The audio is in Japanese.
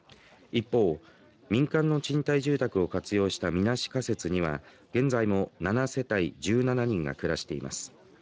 一方、民間の賃貸住宅を活用したみなし仮設には現在も７世帯１７人が暮らしています。